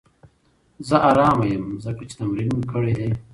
زه ارامه یم ځکه چې تمرین مې کړی دی.